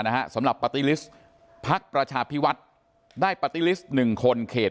นะฮะสำหรับปาร์ตี้ลิสต์พักประชาพิวัฒน์ได้ปาร์ตี้ลิสต์หนึ่งคนเขต